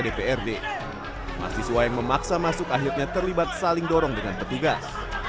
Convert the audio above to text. dprd mahasiswa yang memaksa masuk akhirnya terlibat saling dorong dengan petugas